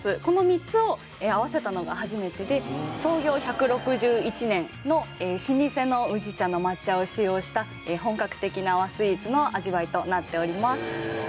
この３つを合わせたのが初めてで創業１６１年の老舗の宇治茶の抹茶を使用した本格的な和スイーツの味わいとなっております